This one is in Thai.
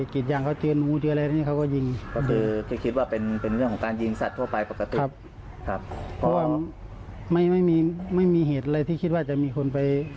พี่กับผู้ตายเป็นอะไรกัน